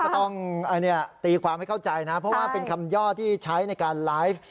ต้องตีความให้เข้าใจนะเพราะว่าเป็นคำย่อที่ใช้ในการไลฟ์